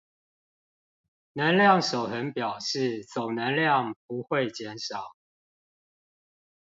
能量守恆表示總能量不會減少